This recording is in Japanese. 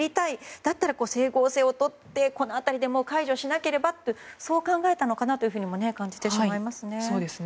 だったら、整合性をとってこの辺りで解除しなければと考えたのかなと感じてしまいますね。